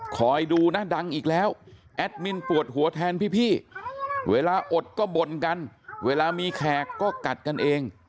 คอยดูนะดังอีกแล้วแอดมินปวดหัวแทนพี่เวลาอดก็บ่นกันเวลามีแขกก็กัดกันเอง